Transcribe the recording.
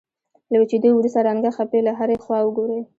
له وچېدو وروسته رنګه خپې له هرې خوا وګورئ.